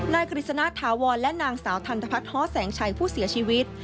นายกฤษณะถาวรและนางสาวธรรมพัทธ์ฮแสงชัยผู้เสียชีวิต